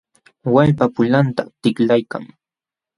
Wallpa pulanta tiklaykan.